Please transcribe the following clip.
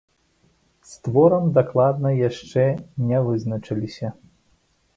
З творам дакладна яшчэ не вызначыліся.